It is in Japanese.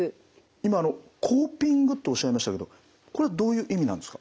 今あのコーピングとおっしゃいましたけどこれはどういう意味なんですか？